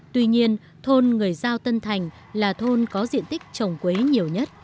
tuy nhiên thôn người giao tân thành là thôn có diện tích trồng quế nhiều nhất